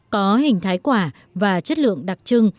có hình thái quả và chất lượng đặc trưng